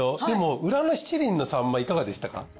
でも裏のしちりんのさんまいかがでしたか？